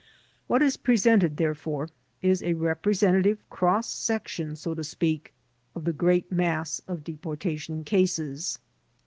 What is presented, therefore, is a representative cross section, so to speak, of the great mass of deportation cases.